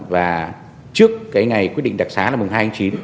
và trước cái ngày quyết định đặc xá là mùng hai tháng chín